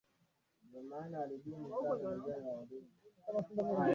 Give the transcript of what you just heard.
kama zawadi ya hirizi kwa sababu Waturuki wanaamini ikiwa unawasilishwa